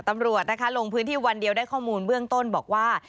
ตำรวจนะคะลงพื้นที่วันเดียวได้ข้อมูลเบื้องต้นบอกว่า